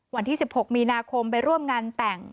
วันที่๑๖มีนาคมไปร่วมงานแต่ง